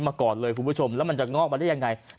มาก่อนเลยคุณผู้ชมแล้วมันจะงอกมาได้ยังไง